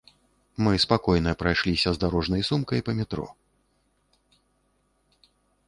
Мы спакойна прайшліся з дарожнай сумкай па метро.